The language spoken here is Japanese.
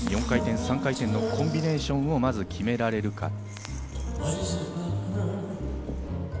４回転、３回転のコンビネーションをまず決められるか。